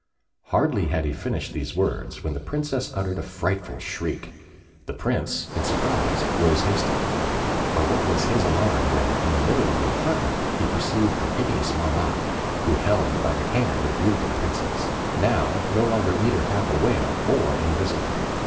Hardly had he finished these words, when the Princess uttered a frightful shriek. The Prince, in surprise, rose hastily. But what was his alarm when, in the middle of the apartment, he perceived the hideous Marmotte, who held by the hair the beautiful Princess, now no longer either half a whale or invisible!